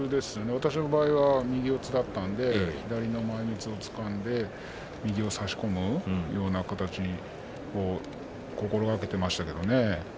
私の場合は右四つでしたので左の前みつをつかんで右を差し込むそういう形を心がけていました。